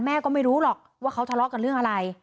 แม่ก็ไม่รู้หรอกว่าเขาทะเลาะกันเรื่องอะไร